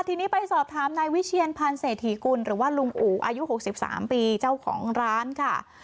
ทีนี้ไปสอบถามนายวิเชียนพันธ์เศรษฐีกุลหรือว่าลุงอู่อายุ๖๓ปีเจ้าของร้านค่ะ